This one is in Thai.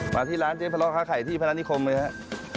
มาที่ร้านเจ้นพละล้อค้าไข่ที่พนักนิคมเมืองฮะ